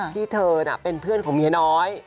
ที่เธอเป็นเพื่อนของเมียน้อย